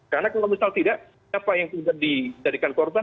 karena kalau misal tidak siapa yang bisa dijadikan korban